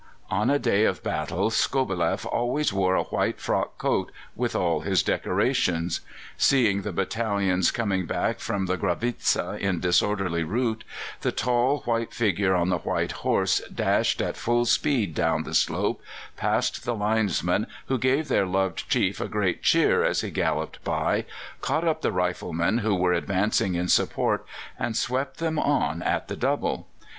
On a day of battle Skobeleff always wore a white frock coat, with all his decorations. Seeing the battalions coming back from the Gravitza in disorderly route, the tall white figure on the white horse dashed at full speed down the slope, passed the linesmen, who gave their loved chief a great cheer as he galloped by, caught up the riflemen who were advancing in support, and swept them on at the double.